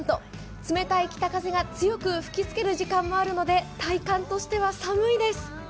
冷たい北風が強く吹きつける時間もあるので体感としては寒いです。